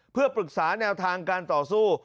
เพื่อปรึกษาแนวทางการต่อสู้